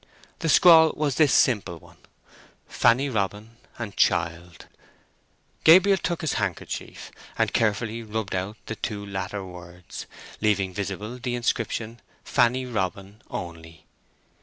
The scrawl was this simple one, "Fanny Robin and child." Gabriel took his handkerchief and carefully rubbed out the two latter words, leaving visible the inscription "Fanny Robin" only.